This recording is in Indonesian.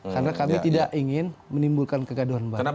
karena kami tidak ingin menimbulkan kegaduhan baru